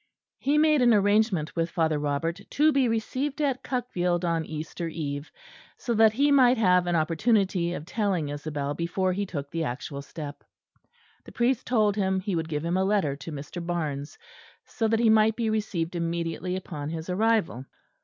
He made an arrangement with Father Robert to be received at Cuckfield on Easter Eve; so that he might have an opportunity of telling Isabel before he took the actual step. The priest told him he would give him a letter to Mr. Barnes, so that he might be received immediately upon his arrival.